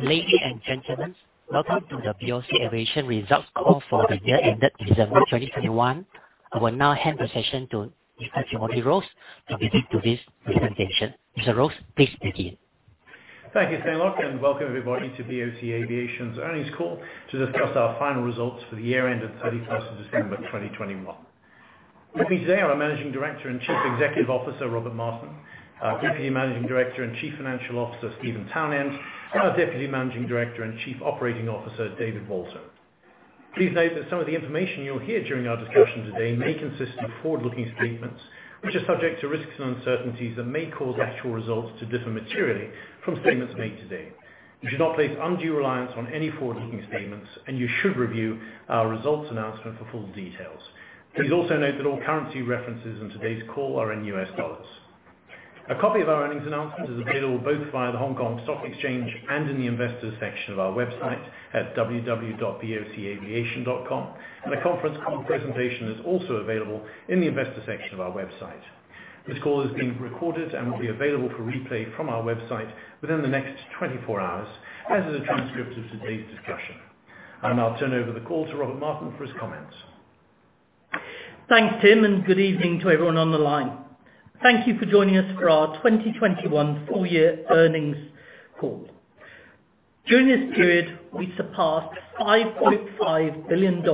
Ladies and gentlemen, welcome to the BOC Aviation Results Call for the Year Ended December 2021. I will now hand the session to Mr. Timothy Ross to take to this presentation. Mr. Ross, please begin. Thank you, Senora, and welcome everybody to BOC Aviation's Earnings Call to discuss our final results for the year end of 31 December 2021. With me today are our Managing Director and Chief Executive Officer, Robert Martin, our Deputy Managing Director and Chief Financial Officer, Steven Townend, and our Deputy Managing Director and Chief Operating Officer, David Walton. Please note that some of the information you'll hear during our discussion today may consist of forward-looking statements, which are subject to risks and uncertainties that may cause actual results to differ materially from statements made today. You should not place undue reliance on any forward-looking statements, and you should review our results announcement for full details. Please also note that all currency references in today's call are in US dollars. A copy of our earnings announcement is available both via the Hong Kong Stock Exchange and in the investors section of our website at www.bocaviation.com. A conference call presentation is also available in the investors section of our website. This call is being recorded and will be available for replay from our website within the next 24 hours, as is a transcript of today's discussion. I'll now turn over the call to Robert Martin for his comments. Thanks, Tim, and good evening to everyone on the line. Thank you for joining us for our 2021 Full-Year Earnings Call. During this period, we surpassed $5.5 billion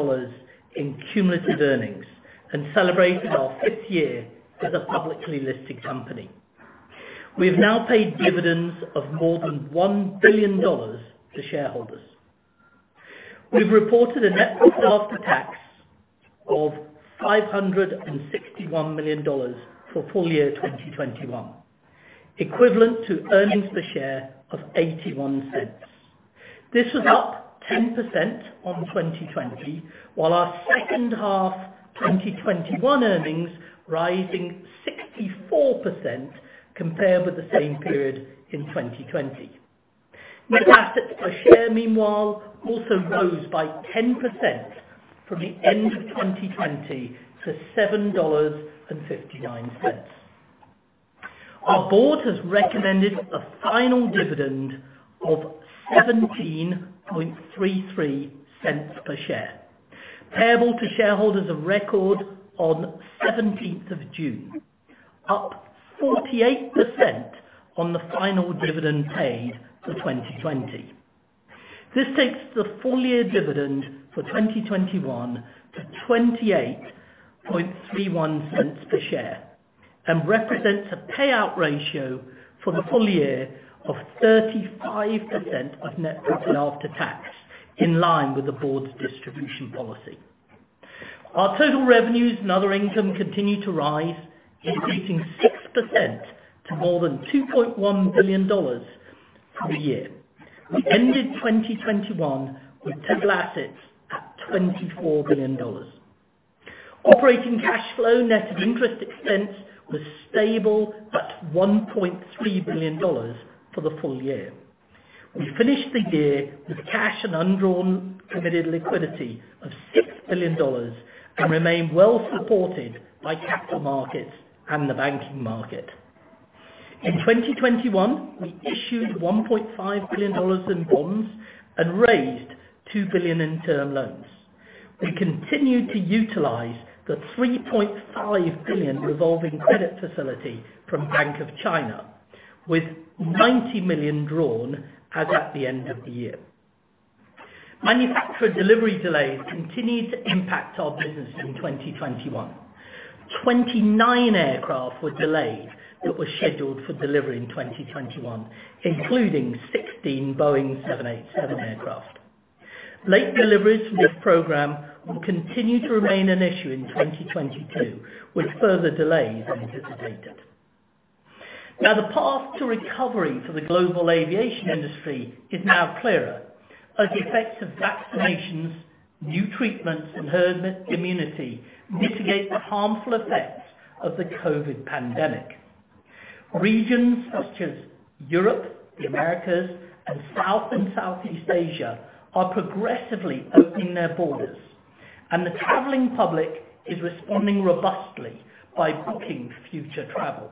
in cumulative earnings and celebrated our fifth year as a publicly listed company. We have now paid dividends of more than $1 billion to shareholders. We've reported a net profit after tax of $561 million for full year 2021, equivalent to earnings per share of $0.81. This was up 10% on 2020, while our second half 2021 earnings rising 64% compared with the same period in 2020. Net assets per share, meanwhile, also rose by 10% from the end of 2020 to $7.59. Our board has recommended a final dividend of $0.1733 per share, payable to shareholders of record on seventeenth of June. Up 48% on the final dividend paid for 2020. This takes the full year dividend for 2021 to $0.2831 per share, and represents a payout ratio for the full year of 35% of net profit after tax, in line with the board's distribution policy. Our total revenues and other income continued to rise, increasing 6% to more than $2.1 billion for the year. We ended 2021 with total assets at $24 billion. Operating Cash Flow, net of interest expense, was stable at $1.3 billion for the full year. We finished the year with cash and undrawn committed liquidity of $6 billion and remain well-supported by capital markets and the banking market. In 2021, we issued $1.5 billion in bonds and raised $2 billion in term loans. We continued to utilize the $3.5 billion revolving credit facility from Bank of China with $90 million drawn as at the end of the year. Manufacturer delivery delays continued to impact our business in 2021. 29 aircraft were delayed that were scheduled for delivery in 2021, including 16 Boeing 787 aircraft. Late deliveries from this program will continue to remain an issue in 2022, with further delays anticipated. Now, the path to recovery for the global aviation industry is now clearer as the effects of vaccinations, new treatments, and herd immunity mitigate the harmful effects of the COVID pandemic. Regions such as Europe, the Americas, and South and Southeast Asia are progressively opening their borders, and the traveling public is responding robustly by booking future travel.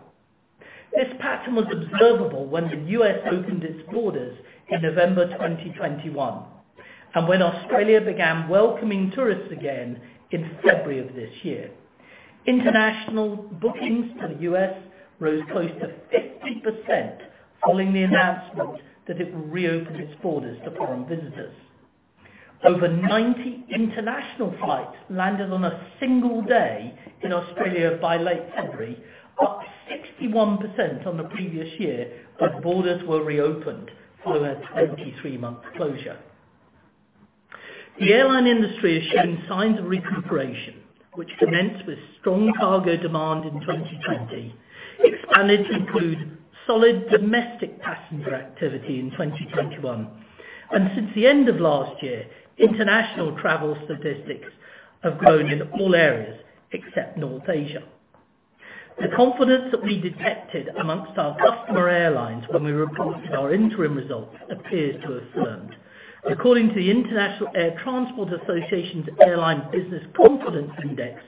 This pattern was observable when the U.S. opened its borders in November 2021 and when Australia began welcoming tourists again in February of this year. International bookings to the U.S. rose close to 50% following the announcement that it will reopen its borders to foreign visitors. Over 90 international flights landed on a single day in Australia by late February, up 61% on the previous year, as borders were reopened following a 23-month closure. The airline industry is showing signs of recuperation, which commenced with strong cargo demand in 2020, expanded to include solid domestic passenger activity in 2021. Since the end of last year, international travel statistics have grown in all areas except North Asia. The confidence that we detected among our customer airlines when we reported our interim results appears to have firmed. According to the International Air Transport Association's Airline Business Confidence Index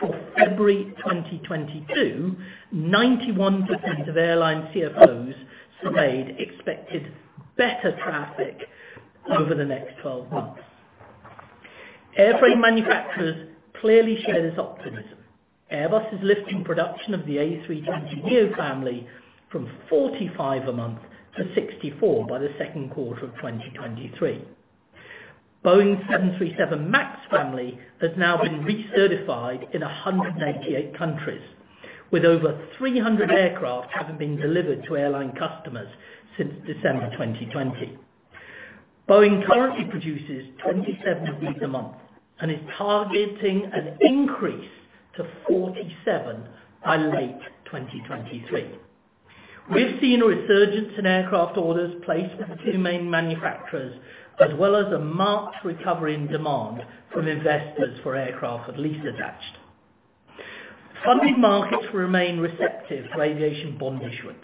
for February 2022, 91% of airline CFOs surveyed expected better traffic over the next 12 months. Airframe manufacturers clearly share this optimism. Airbus is lifting production of the A320neo family from 45 a month to 64 by the second quarter of 2023. Boeing's 737 MAX family has now been recertified in 188 countries, with over 300 aircraft having been delivered to airline customers since December 2020. Boeing currently produces 27 of these a month, and is targeting an increase to 47 by late 2023. We've seen a resurgence in aircraft orders placed with the two main manufacturers, as well as a marked recovery in demand from investors for aircraft with leases attached. Funding markets remain receptive to aviation bond issuance.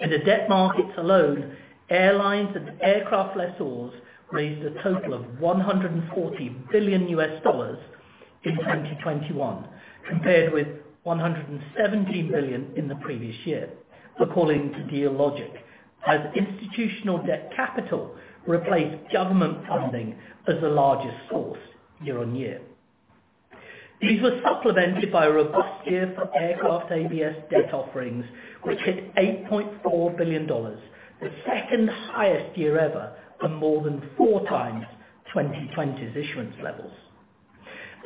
In the debt markets alone, airlines and aircraft lessors raised a total of $140 billion in 2021, compared with $170 billion in the previous year, according to Dealogic, as institutional debt capital replaced government funding as the largest source year on year. These were supplemented by a robust year for aircraft ABS debt offerings, which hit $8.4 billion, the second highest year ever, and more than four times 2020's issuance levels.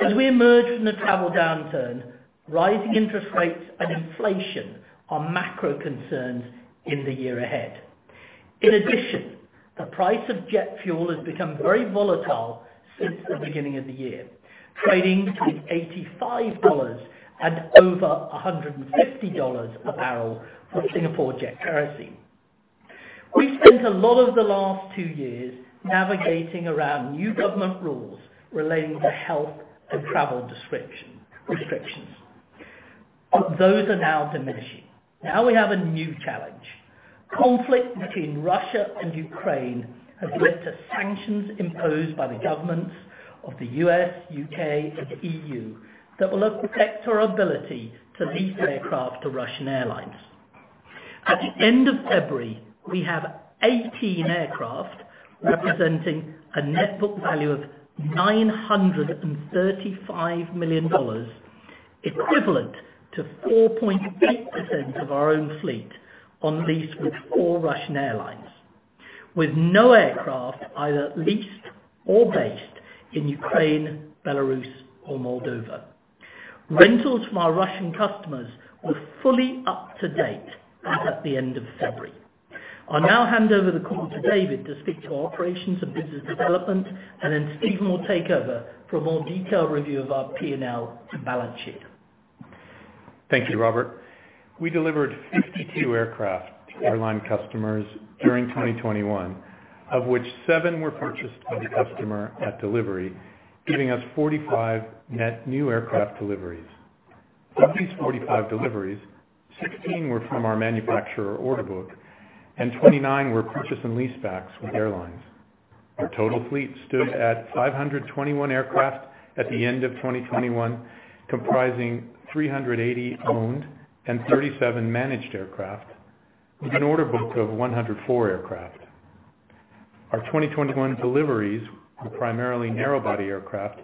As we emerge from the travel downturn, rising interest rates and inflation are macro concerns in the year ahead. In addition, the price of jet fuel has become very volatile since the beginning of the year, trading between $85 and over $150 a barrel for Singapore jet kerosene. We spent a lot of the last two years navigating around new government rules relating to health and travel restrictions. Those are now diminishing. Now we have a new challenge. Conflict between Russia and Ukraine has led to sanctions imposed by the governments of the U.S., U.K., and EU that will affect our ability to lease aircraft to Russian airlines. At the end of February, we have 18 aircraft representing a net book value of $935 million, equivalent to 4.8% of our own fleet, on lease with all Russian airlines, with no aircraft either leased or based in Ukraine, Belarus, or Moldova. Rentals from our Russian customers were fully up to date at the end of February. I'll now hand over the call to David to speak to operations and business development, and then Steven will take over for a more detailed review of our P&L and balance sheet. Thank you, Robert. We delivered 52 aircraft to airline customers during 2021, of which 7 were purchased by the customer at delivery, giving us 45 net new aircraft deliveries. Of these 45 deliveries, 16 were from our manufacturer order book, and 29 were purchase and leasebacks with airlines. Our total fleet stood at 521 aircraft at the end of 2021, comprising 380 owned and 37 managed aircraft with an order book of 104 aircraft. Our 2021 deliveries were primarily narrow body aircraft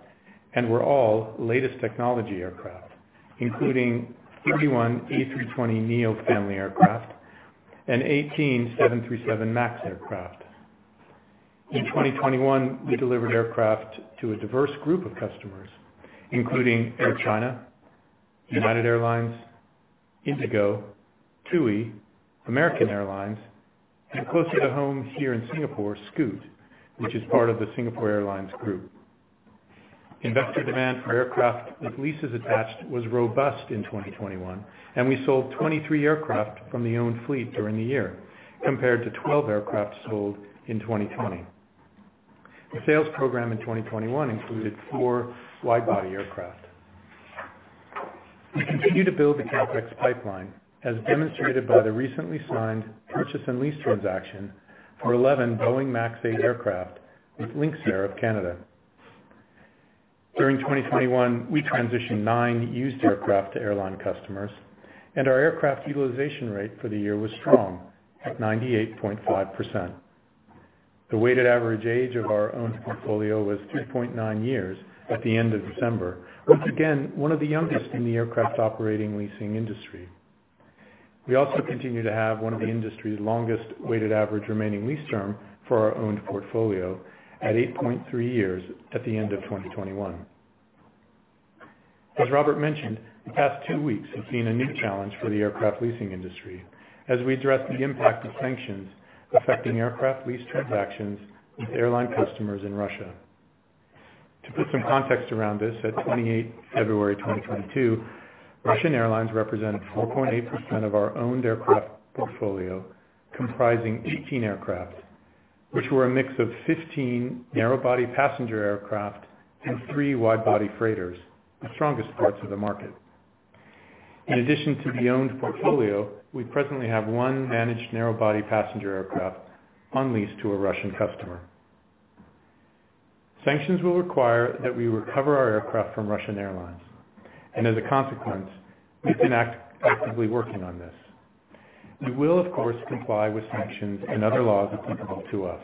and were all latest technology aircraft, including 31 A320neo family aircraft and 18 737 MAX aircraft. In 2021, we delivered aircraft to a diverse group of customers, including Air China, United Airlines, IndiGo, TUI, American Airlines, and closer to home here in Singapore, Scoot, which is part of the Singapore Airlines group. Investor demand for aircraft with leases attached was robust in 2021, and we sold 23 aircraft from the owned fleet during the year, compared to 12 aircraft sold in 2020. The sales program in 2021 included 4 wide body aircraft. We continue to build the CapEx pipeline, as demonstrated by the recently signed purchase and lease transaction for 11 Boeing 737 MAX 8 aircraft with Lynx Air of Canada. During 2021, we transitioned 9 used aircraft to airline customers, and our aircraft utilization rate for the year was strong, at 98.5%. The weighted average age of our owned portfolio was 2.9 years at the end of December. Once again, one of the youngest in the aircraft operating leasing industry. We also continue to have one of the industry's longest weighted average remaining lease term for our owned portfolio at 8.3 years at the end of 2021. As Robert mentioned, the past two weeks have seen a new challenge for the aircraft leasing industry as we address the impact of sanctions affecting aircraft lease transactions with airline customers in Russia. To put some context around this, at February 28, 2022, Russian airlines represent 4.8% of our owned aircraft portfolio, comprising 18 aircraft, which were a mix of 15 narrow-body passenger aircraft and 3 wide-body freighters, the strongest parts of the market. In addition to the owned portfolio, we presently have one managed narrow-body passenger aircraft on lease to a Russian customer. Sanctions will require that we recover our aircraft from Russian airlines, and as a consequence, we've been actively working on this. We will, of course, comply with sanctions and other laws applicable to us.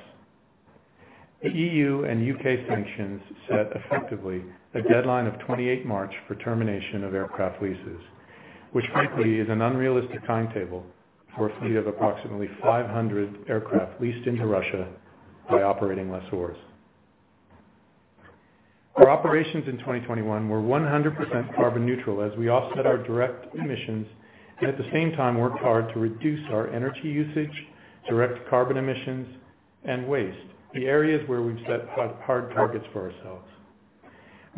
The EU and U.K. sanctions set effectively a deadline of 28 March for termination of aircraft leases, which frankly is an unrealistic timetable for a fleet of approximately 500 aircraft leased into Russia by operating lessors. Our operations in 2021 were 100% carbon neutral as we offset our direct emissions and at the same time worked hard to reduce our energy usage, direct carbon emissions, and waste, the areas where we've set hard targets for ourselves.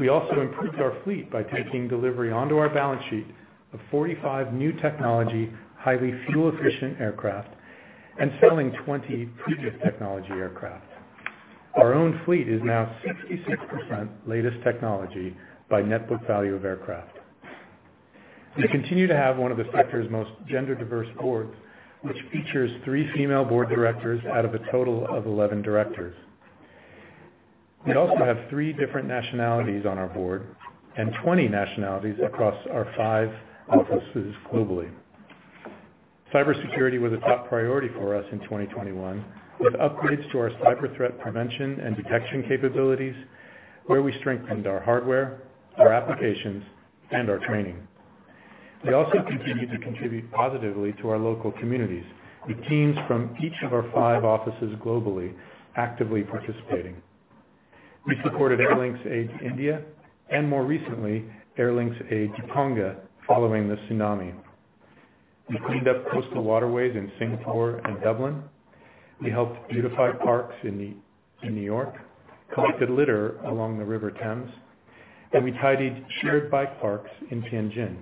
We also improved our fleet by taking delivery onto our balance sheet of 45 new technology, highly fuel efficient aircraft, and selling 20 previous technology aircraft. Our own fleet is now 66% latest technology by net book value of aircraft. We continue to have one of the sector's most gender diverse boards, which features three female board directors out of a total of 11 directors. We also have three different nationalities on our board and 20 nationalities across our five offices globally. Cybersecurity was a top priority for us in 2021, with upgrades to our cyber threat prevention and detection capabilities, where we strengthened our hardware, our applications, and our training. We also continued to contribute positively to our local communities, with teams from each of our five offices globally actively participating. We supported Airlink Aid India and more recently, Airlink Aid Tonga following the tsunami. We cleaned up coastal waterways in Singapore and Dublin. We helped beautify parks in New York, collected litter along the River Thames, and we tidied shared bike parks in Tianjin.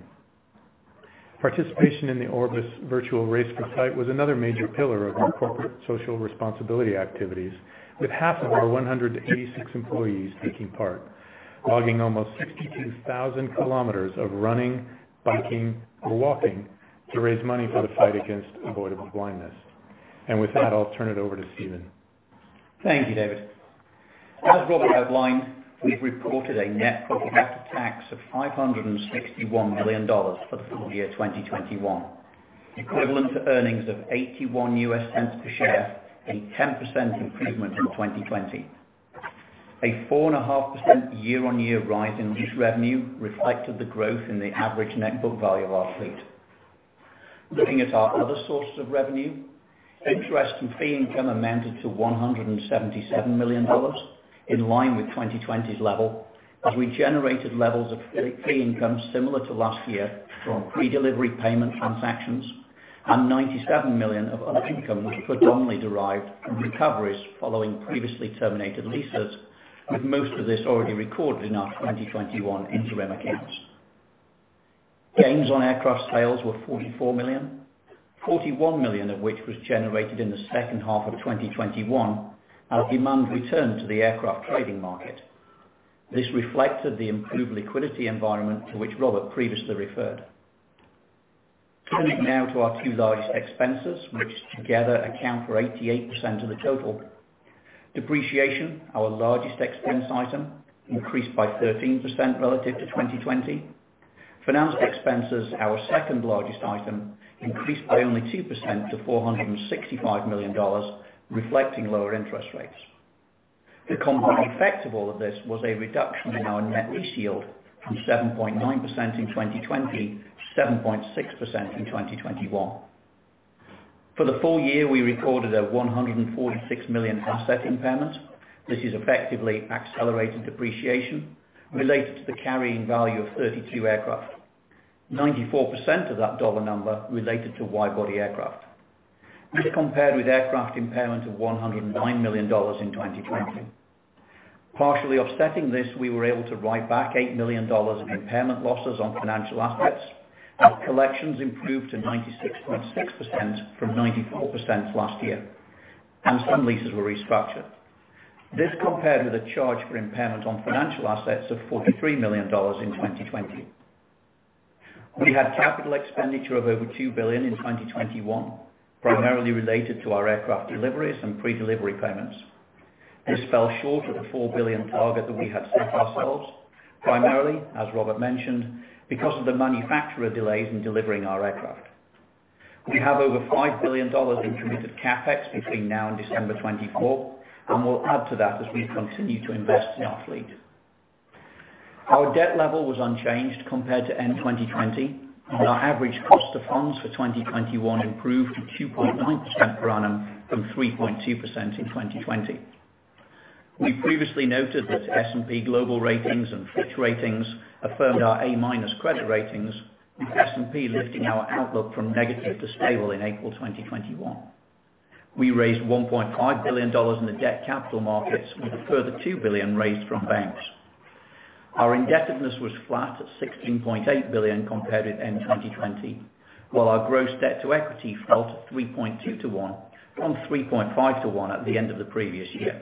Participation in the Orbis virtual Race for Sight was another major pillar of our corporate social responsibility activities, with half of our 186 employees taking part, logging almost 62,000 kilometers of running, biking, or walking to raise money for the fight against avoidable blindness. With that, I'll turn it over to Steven. Thank you, David. As Robert outlined, we've reported a net profit after tax of $561 million for the full year 2021, equivalent to earnings of $0.81 per share, a 10% improvement in 2020. A 4.5% year-on-year rise in lease revenue reflected the growth in the average net book value of our fleet. Looking at our other sources of revenue, interest and fee income amounted to $177 million, in line with 2020's level, as we generated levels of fee income similar to last year from redelivery payment transactions and $97 million of other income which predominantly derived from recoveries following previously terminated leases, with most of this already recorded in our 2021 interim accounts. Gains on aircraft sales were $44 million, $41 million of which was generated in the second half of 2021 as demand returned to the aircraft trading market. This reflected the improved liquidity environment to which Robert previously referred. Turning now to our two largest expenses, which together account for 88% of the total. Depreciation, our largest expense item, increased by 13% relative to 2020. Finance expenses, our second-largest item, increased by only 2% to $465 million, reflecting lower interest rates. The combined effect of all of this was a reduction in our net lease yield from 7.9% in 2020 to 7.6% in 2021. For the full year, we recorded a $146 million asset impairment. This is effectively accelerated depreciation related to the carrying value of 32 aircraft. 94% of that dollar number related to wide-body aircraft. This compared with aircraft impairment of $109 million in 2020. Partially offsetting this, we were able to write back $8 million in impairment losses on financial assets. Our collections improved to 96.6% from 94% last year, and some leases were restructured. This compared with a charge for impairment on financial assets of $43 million in 2020. We had capital expenditure of over $2 billion in 2021, primarily related to our aircraft deliveries and predelivery payments. This fell short of the $4 billion target that we had set ourselves, primarily, as Robert mentioned, because of the manufacturer delays in delivering our aircraft. We have over $5 billion in committed CapEx between now and December 2024, and we'll add to that as we continue to invest in our fleet. Our debt level was unchanged compared to end 2020, and our average cost of funds for 2021 improved to 2.9% per annum from 3.2% in 2020. We previously noted that S&P Global Ratings and Fitch Ratings affirmed our A minus credit ratings, with S&P lifting our outlook from negative to stable in April 2021. We raised $1.5 billion in the debt capital markets, with a further $2 billion raised from banks. Our indebtedness was flat at $16.8 billion compared with end 2020, while our gross debt-to-equity fell to 3.2 to 1 from 3.5 to 1 at the end of the previous year.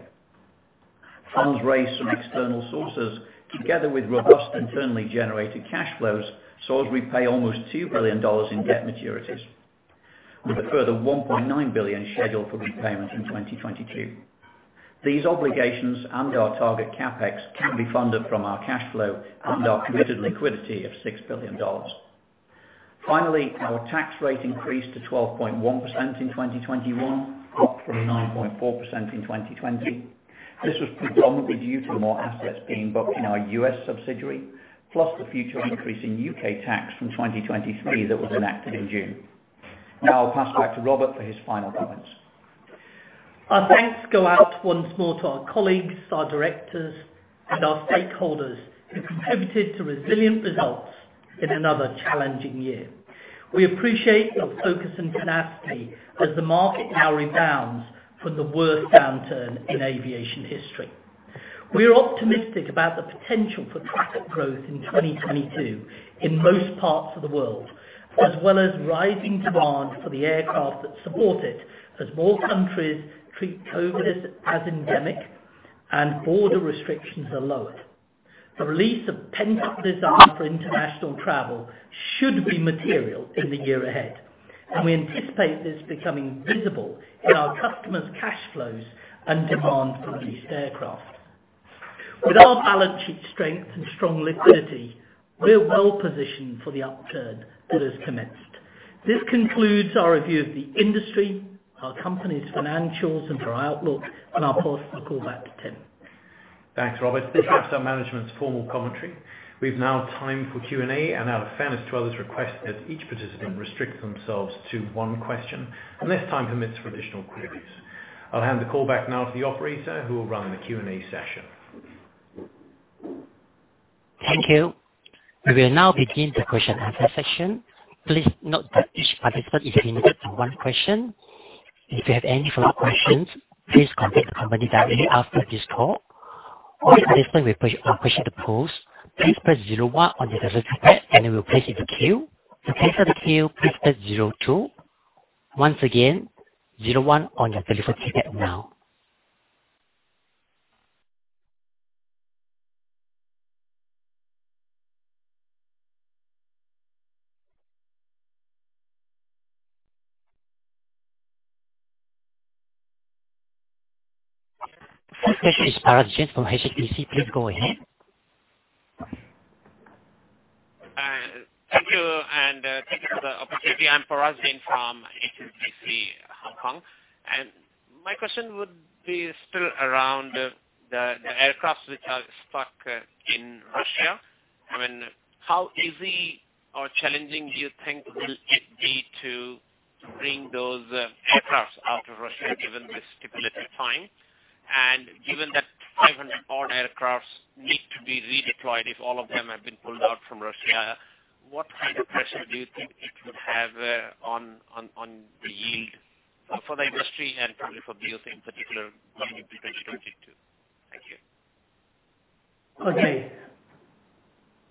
Funds raised from external sources, together with robust internally generated cash flows, saw us repay almost $2 billion in debt maturities, with a further $1.9 billion scheduled for repayment in 2022. These obligations and our target CapEx can be funded from our cash flow and our committed liquidity of $6 billion. Finally, our tax rate increased to 12.1% in 2021, up from 9.4% in 2020. This was predominantly due to more assets being booked in our U.S. subsidiary, plus the future increase in U.K. tax from 2023 that was enacted in June. Now I'll pass back to Robert for his final comments. Our thanks go out once more to our colleagues, our directors, and our stakeholders who contributed to resilient results in another challenging year. We appreciate your focus and tenacity as the market now rebounds from the worst downturn in aviation history. We are optimistic about the potential for traffic growth in 2022 in most parts of the world, as well as rising demand for the aircraft that support it as more countries treat COVID as endemic and border restrictions are lowered. The release of pent-up desire for international travel should be material in the year ahead, and we anticipate this becoming visible in our customers' cash flows and demand for leased aircraft. With our balance sheet strength and strong liquidity, we are well positioned for the upturn that has commenced. This concludes our review of the industry, our company's financials, and our outlook, and I'll pass the call back to Tim. Thanks, Robert. This wraps our management's formal commentary. We now have time for Q&A, and out of fairness to others, we request that each participant restrict themselves to one question, unless time permits for additional queries. I'll hand the call back now to the operator, who will run the Q&A session. Thank you. We will now begin the question-and-answer session. Please note that each participant is limited to one question. If you have any follow-up questions, please contact the company directly after this call. All participants with a question to pose, please press 01 on your telephone keypad, and it will place you in the queue. To cancel the queue, please press 02. Once again, 01 on your telephone keypad now. First question is Parash Jain from HSBC. Please go ahead. Thank you for the opportunity. I'm Parash Jain from HSBC, Hong Kong. My question would be still around the aircraft which are stuck in Russia. I mean, how easy or challenging do you think will it be to bring those aircraft out of Russia given the stipulated time? Given that 500 odd aircraft need to be redeployed, if all of them have been pulled out from Russia, what kind of pressure do you think it would have on the yield for the industry and probably for leasing in particular coming into 2022? Thank you. Okay.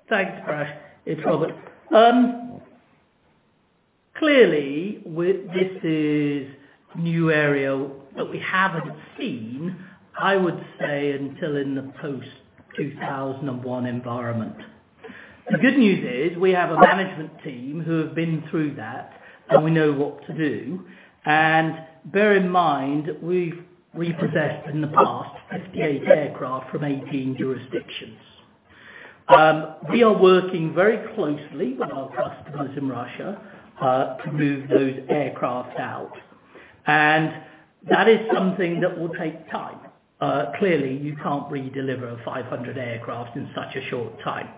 Thanks, Parash. It's Robert. Clearly, this is a new area that we haven't seen, I would say, until in the post-2001 environment. The good news is we have a management team who have been through that, and we know what to do. Bear in mind, we've repossessed, in the past, 58 aircraft from 18 jurisdictions. We are working very closely with our customers in Russia to move those aircraft out, and that is something that will take time. Clearly, you can't redeliver 500 aircraft in such a short time.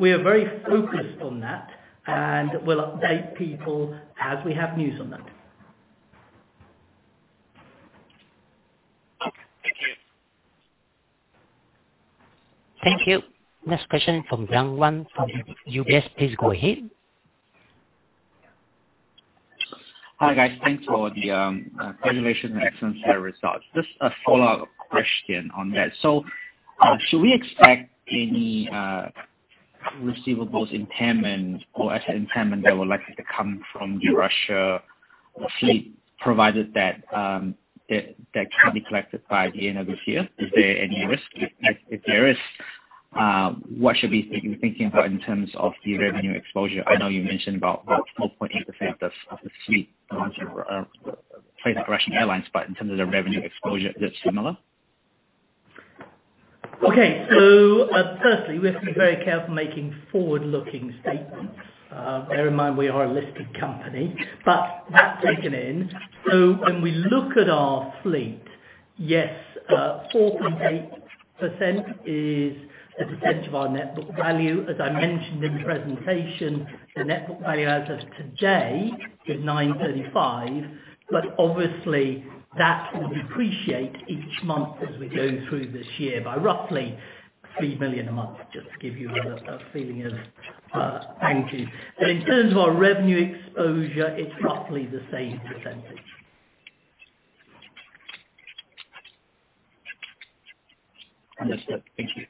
We are very focused on that, and we'll update people as we have news on that. Thank you. Thank you. Next question from Zhang Wan from UBS. Please go ahead. Hi, guys. Thanks for the presentation and excellent set of results. Just a follow-up question on that. Should we expect any receivables impairment or asset impairment that will likely to come from the Russian fleet, provided that that can be collected by the end of this year? Is there any risk? If there is, what should we be thinking about in terms of the revenue exposure? I know you mentioned about 4.8% of the fleet are placed with Russian airlines, but in terms of the revenue exposure, is it similar? Okay. Firstly, we have to be very careful making forward-looking statements. Bear in mind we are a listed company, but that taken in, so when we look at our fleet, yes, 4.8% is the percentage of our net book value. As I mentioned in the presentation, the net book value as of today is $935 million, but obviously that will depreciate each month as we go through this year by roughly $3 million a month, just to give you a feeling of magnitude. In terms of our revenue exposure, it's roughly the same percentage. Understood. Thank you.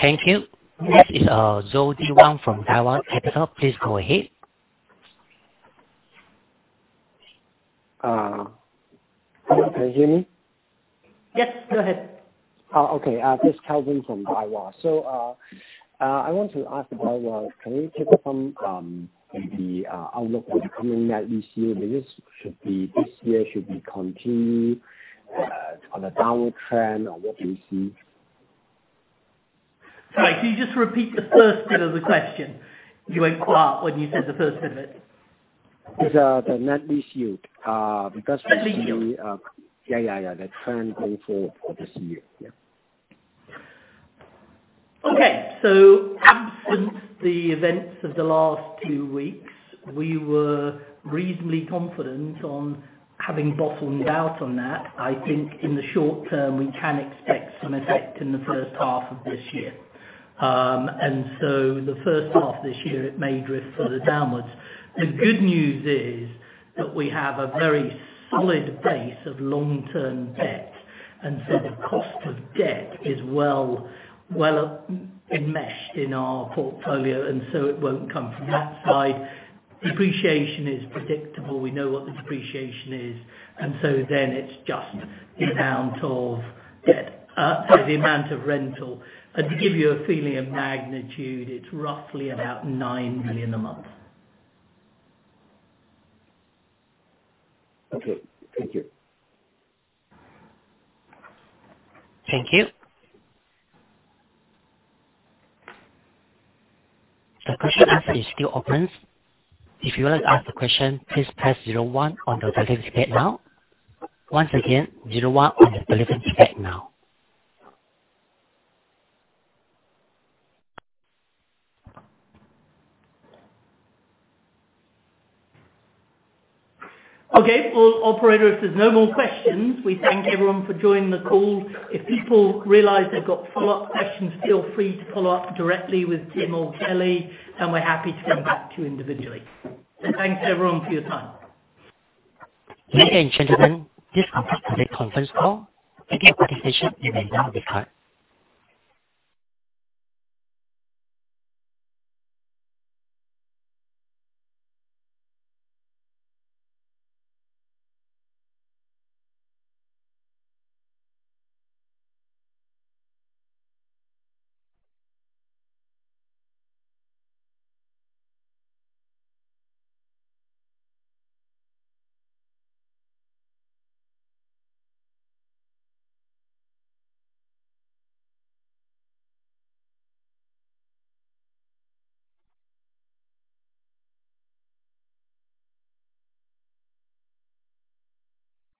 Thank you. Next is Zhou Tiwang from Daiwa Capital. Please go ahead. Can you hear me? Yes, go ahead. This is Kelvin from Daiwa. I want to ask about the outlook for the coming net lease yield. This year should continue on a downward trend or what do you see? Sorry, can you just repeat the first bit of the question? You went quiet when you said the first bit of it. It's the net issue because. Net issue. Yeah. The trend going forward for this year. Yeah. Okay. Absent the events of the last two weeks, we were reasonably confident on having bottomed out on that. I think in the short term, we can expect some effect in the first half of this year. The first half of this year, it may drift further downwards. The good news is that we have a very solid base of long-term debt, and the cost of debt is well-hedged in our portfolio, so it won't come from that side. Depreciation is predictable. We know what the depreciation is. It's just the amount of debt. The amount of rental. To give you a feeling of magnitude, it's roughly about $9 million a month. Okay. Thank you. Thank you. The question as is still open. If you want to ask the question, please press 01 on your telephone keypad now. Once again, 01 on your telephone keypad now. Okay. Well, operator, if there's no more questions, we thank everyone for joining the call. If people realize they've got follow-up questions, feel free to follow up directly with Tim or Kelly, and we're happy to come back to you individually. Thanks, everyone, for your time. Ladies and gentlemen, this concludes today's conference call. Thank you for participation. You may disconnect.